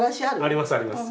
ありますあります。